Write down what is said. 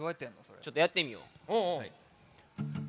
ちょっとやってみよう。